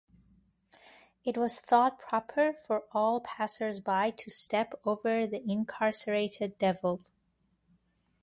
It was thought proper for all passersby to step over the incarcerated devil.